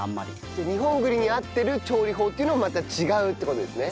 じゃあ日本栗に合ってる調理法っていうのもまた違うって事ですね。